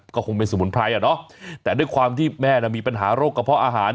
ก็คงเป็นสมุนไพรอ่ะเนาะแต่ด้วยความที่แม่น่ะมีปัญหาโรคกระเพาะอาหาร